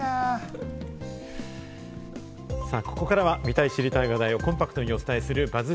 ここからは見たい知りたい話題をコンパクトにお伝えするＢＵＺＺ